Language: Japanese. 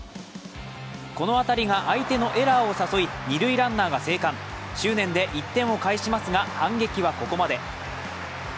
この当たりが相手のエラーを誘い二塁ランナーが生還執念で１点を返しますが反撃はここまで。